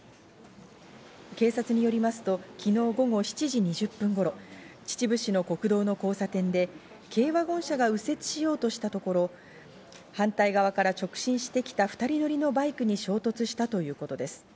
警察によりますと昨日午後７時２０分頃、秩父市の国道の交差点で軽ワゴン車が右折しようとしたところ、反対側から直進してきた２人乗りのバイクに衝突したということです。